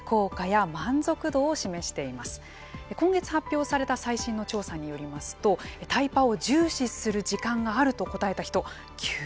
今月発表された最新の調査によりますとタイパを重視する時間があると答えた人９割近くに上っています。